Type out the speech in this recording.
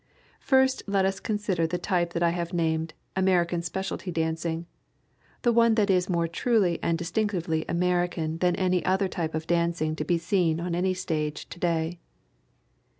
First let us consider the type that I have named American Specialty Dancing, the one that is more truly and distinctively American than any other type of dancing to be seen on any stage today.